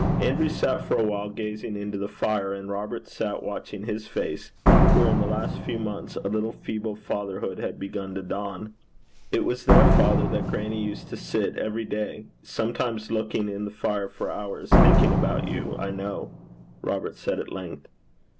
Andrew sat for a while gazing into the fire, and Robert sat watching his face, where in the last few months a little feeble fatherhood had begun to dawn. 'It was there, father, that grannie used to sit, every day, sometimes looking in the fire for hours, thinking about you, I know,' Robert said at length.